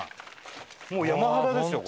もう山肌ですよ。